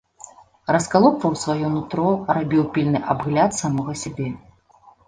Раскалупваў сваё нутро, рабіў пільны абгляд самога сябе.